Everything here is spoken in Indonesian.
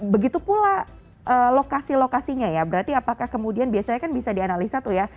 begitu pula lokasi lokasinya ya berarti apakah kemudian biasanya kan bisa dianalisa tuh ya